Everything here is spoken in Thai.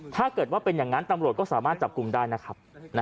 ถ้าเกิดว่าเป็นอย่างนั้นตำรวจก็สามารถจับกลุ่มได้นะครับ